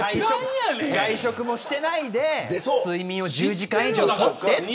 外食もしてないで睡眠を１０時間以上取ってっていう。